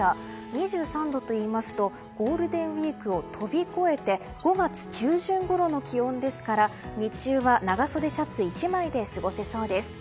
２３度というとゴールデンウィークを飛び越えて５月中旬ごろの気温ですから日中は、長袖シャツ１枚で過ごせそうです。